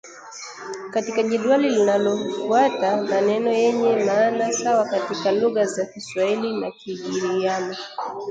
Katika jedwali linalofuata maneno yenye maana sawa katika lugha za Kiswahili na Kigiriama